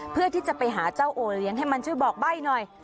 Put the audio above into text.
เพื่อที่จะไปหาเจ้าโอเลี้ยงให้มันช่วยบอกใบ้หน่อย